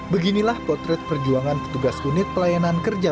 beginilah potret perjuangan petugas unit pelayanan kerja